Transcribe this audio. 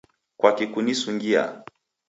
Kwaki kunisungiaa?